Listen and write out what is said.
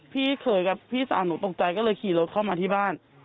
พี่เขยกับพี่สาวหนูตกใจก็เลยขี่รถเข้ามาที่บ้าน